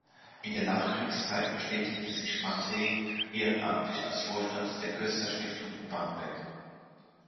In der Nachkriegszeit betätigte sich Matthaei ehrenamtlich als Vorstand der Köster-Stiftung in Barmbek.